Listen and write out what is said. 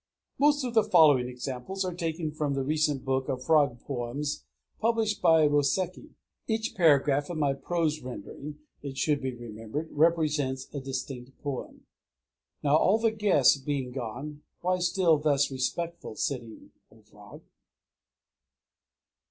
Most of the following examples are taken from the recent book of frog poems published by Roséki; each paragraph of my prose rendering, it should be remembered, represents a distinct poem: _Now all the guests being gone, why still thus respectfully sitting, O frog?